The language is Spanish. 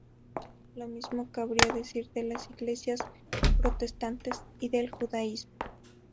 Lo mismo cabría decir de las iglesias protestantes, y del judaísmo.